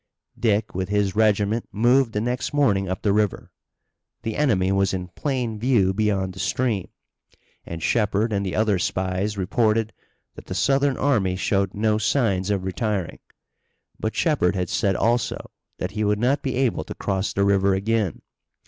Dick, with his regiment, moved the next morning up the river. The enemy was in plain view beyond the stream, and Shepard and the other spies reported that the Southern army showed no signs of retiring. But Shepard had said also that he would not be able to cross the river again.